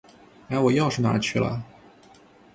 哎，我钥匙哪儿去了？